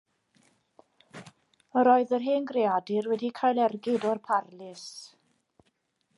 Yr oedd yr hen greadur wedi cael ergyd o'r parlys.